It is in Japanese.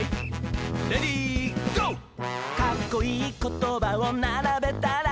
「かっこいいことばをならべたら」